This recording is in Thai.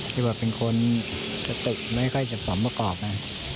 ยากว่าเป็นคนสติ้นไม่ค่อยจะสมประกอบน่ะ